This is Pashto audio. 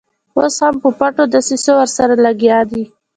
اوس هم په پټو دسیسو ورسره لګیا دي.